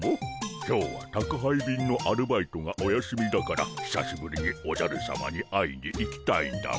今日は宅配便のアルバイトがお休みだからひさしぶりにおじゃるさまに会いに行きたいんだモ。